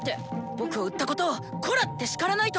僕を売ったことをコラって叱らないと！